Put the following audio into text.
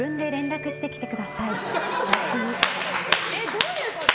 どういうこと？